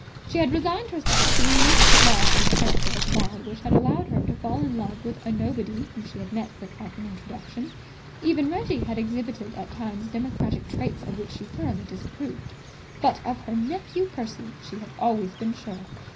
She had resigned herself to the innate flaw in the character of Maud which had allowed her to fall in love with a nobody whom she had met without an introduction. Even Reggie had exhibited at times democratic traits of which she thoroughly disapproved. But of her nephew Percy she had always been sure.